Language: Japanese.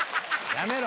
やめろ。